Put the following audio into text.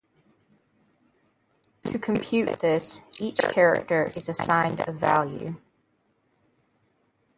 To compute this, each character is assigned a value.